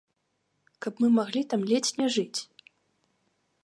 Каб мы маглі там ледзь не жыць.